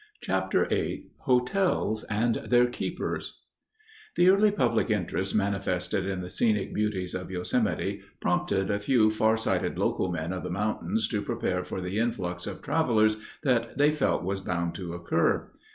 CHAPTER VIII HOTELS AND THEIR KEEPERS The early public interest manifested in the scenic beauties of Yosemite prompted a few far sighted local men of the mountains to prepare for the influx of travelers that they felt was bound to occur.